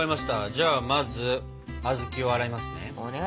じゃあまず小豆を洗いますね。